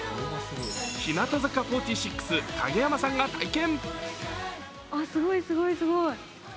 日向坂４６・影山さんが体験。